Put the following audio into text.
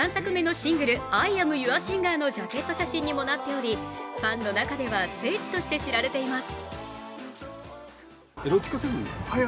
５３作目のシングル、「ＩＡＭＹＯＵＲＳＩＮＧＥＲ」のジャケット写真にもなっておりファンの中では聖地として知られています。